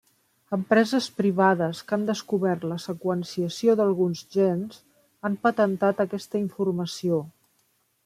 Empreses privades que han descobert la seqüenciació d'alguns gens han patentat aquesta informació.